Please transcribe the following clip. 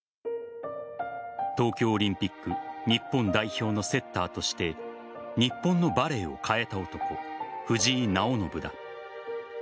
東京オリンピック日本代表のセッターとして日本のバレーを変えた男藤井直伸だ。